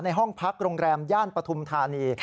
ห้องพักโรงแรมย่านปฐุมธานี